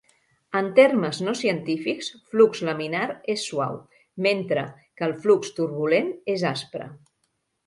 En termes no científics, flux laminar és "suau", mentre que el flux turbulent és "aspre".